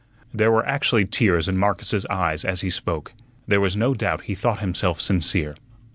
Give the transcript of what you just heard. There were actually tears in Marcus's eyes as he spoke. There was no doubt he thought himself sincere.